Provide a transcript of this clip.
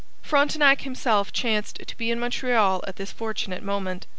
Frontenac himself chanced to be in Montreal at this fortunate moment.